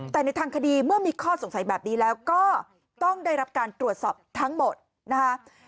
แต่ในทางคดีเมื่อมีข้อสงสัยแบบนี้แล้วก็ต้องได้รับการตรวจสอบทั้งหมดนะคะ